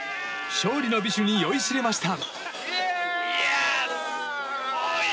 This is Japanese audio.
勝利の美酒に酔いしれました。